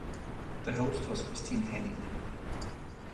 The host was Christine Henning.